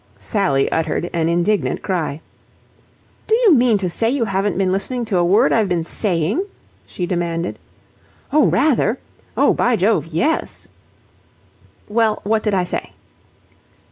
Sally uttered an indignant cry. "Do you mean to say you haven't been listening to a word I've been saying," she demanded. "Oh, rather! Oh, by Jove, yes." "Well, what did I say?"